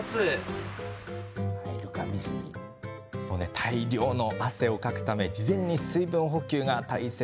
大量の汗をかくため事前に水分補給が大切。